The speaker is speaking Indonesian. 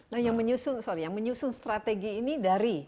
nah yang menyusun strategi ini dari